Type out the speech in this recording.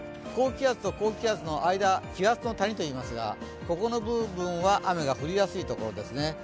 高気圧と高気圧の間、気圧の谷といいますがここの部分は雨が降りやすいところですね。